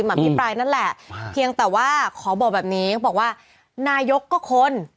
อภิปรายนั่นแหละเพียงแต่ว่าขอบอกแบบนี้เขาบอกว่านายกก็คน